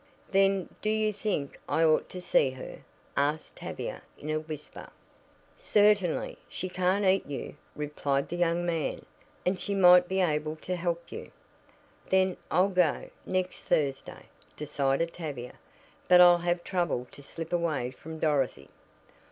"Then do you think I ought to go see her?" asked Tavia in a whisper. "Certainly. She can't eat you," replied the young man, "and she might be able to help you." "Then I'll go next Thursday," decided Tavia. "But I'll have trouble to slip away from Dorothy."